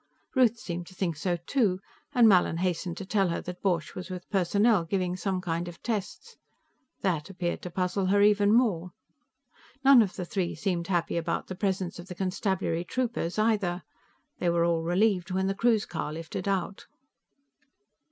Ruth seemed to think so, too, and Mallin hastened to tell her that Borch was with Personnel, giving some kind of tests. That appeared to puzzle her even more. None of the three seemed happy about the presence of the constabulary troopers, either; they were all relieved when the cruise car lifted out.